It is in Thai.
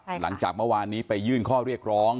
หลังจากเมื่อวานนี้ไปยื่นข้อเรียกร้อง